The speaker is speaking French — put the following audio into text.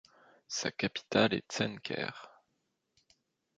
Sa capitale est Tsenkher.